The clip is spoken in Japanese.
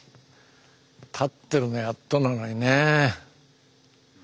立ってるのやっとなのにね。